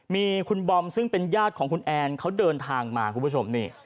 มีคุณบอมซึ่งเป็นญาติของคุณแอนเขาเดินทางมาคุณผู้ชมนี่